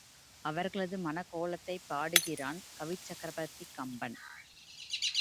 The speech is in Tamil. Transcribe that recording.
அவர்களது மணக்கோலத்தைப் பாடுகிறான் கவிச்சக்கரவர்த்தி கம்பன்.